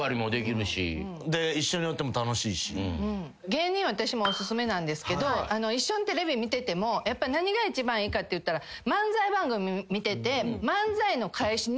芸人は私もおすすめなんですけど一緒にテレビ見てても何が一番いいかっていったら漫才番組見てて。